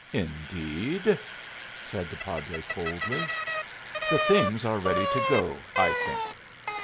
"Indeed?" said the padre, coldly. "The things are ready to go, I think."